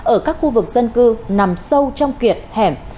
ở các khu vực dân cư nằm sâu trong kiệt hẻm